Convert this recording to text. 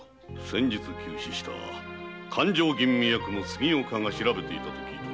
先日急死した勘定吟味役の杉岡が調べていたと聞いてます。